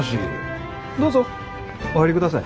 どうぞお入りください。